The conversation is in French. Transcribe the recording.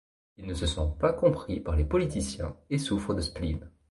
Il ne se sent pas compris par les politiciens et souffre de spleen.